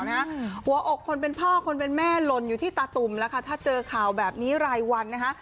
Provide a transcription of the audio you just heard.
หัวอกคนเป็นพ่อคนเป็นแม่หล่นอยู่ที่ตาตุ่มแล้วค่ะถ้าเจอข่าวแบบนี้รายวันนะคะ